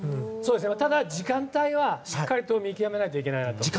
ただ、時間帯はしっかりと見極めないといけないなと。